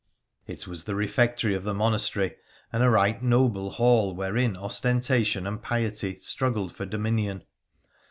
It was the refectory of the monastery, and a right noble hall wherein ostentation and piety struggled for dominion.